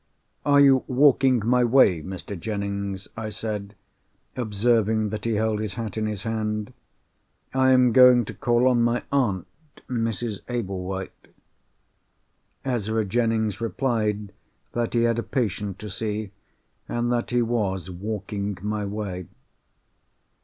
"Are you walking my way, Mr. Jennings?" I said, observing that he held his hat in his hand. "I am going to call on my aunt, Mrs. Ablewhite." Ezra Jennings replied that he had a patient to see, and that he was walking my way.